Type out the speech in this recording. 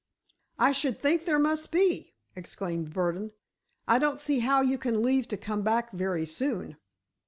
"I should think there must be!" exclaimed Burdon. "I don't see how you can leave to come back very soon."